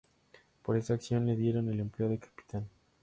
Por esa acción le dieron el empleo de capitán.